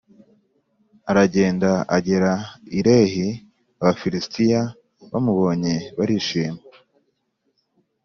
aragenda agera i Lehi Abafilisitiya bamubonye barishima